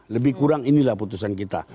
lebih kurang inilah putusan kita